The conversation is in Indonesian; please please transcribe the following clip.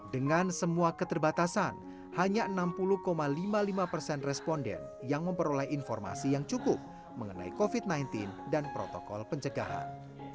dengan semua keterbatasan hanya enam puluh lima puluh lima persen responden yang memperoleh informasi yang cukup mengenai covid sembilan belas dan protokol pencegahan